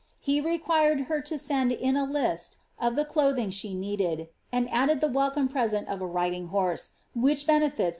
He required her to send in a list of the clothing she needed ;' and added the welcome present of a riding horse, which benefits.